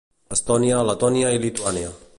Estònia, Letònia i Lituània.